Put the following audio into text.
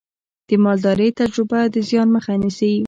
د مالدارۍ تجربه د زیان مخه نیسي.